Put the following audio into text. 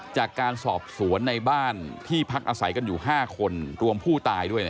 จากการสอบสวนในบ้านที่พักอาศัยกันอยู่๕คนรวมผู้ตายด้วย